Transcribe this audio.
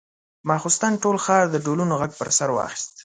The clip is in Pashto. ماخستن ټول ښار د ډولونو غږ پر سر واخيست.